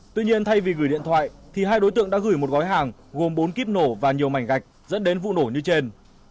tuy nhiên thay vì gửi điện thoại thì hai đối tượng đã gửi một gói hàng gồm bốn kíp nổ và nhiều mảnh gạch dẫn đến vụ nổ như trên